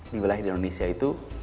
di wilayah di indonesia itu